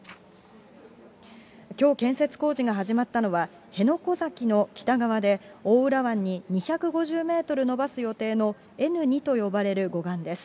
きょう建設工事が始まったのは、辺野古崎の北側で、大浦湾に２５０メートル延ばす予定のＮー２と呼ばれる護岸です。